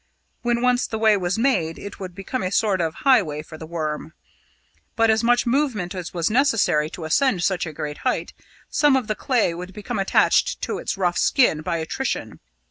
When once the way was made it would become a sort of highway for the Worm. But as much movement was necessary to ascend such a great height, some of the clay would become attached to its rough skin by attrition.